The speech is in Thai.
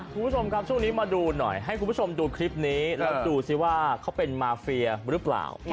คุณผู้ชมครับช่วงนี้มาดูหน่อยให้คุณผู้ชมดูคลิปนี้แล้วดูสิว่าเขาเป็นมาเฟียหรือเปล่า